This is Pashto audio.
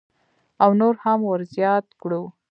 او نور هم ورزیات کړو.